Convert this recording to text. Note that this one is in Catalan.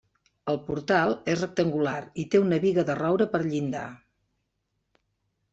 El portal és rectangular i té una biga de roure per llinda.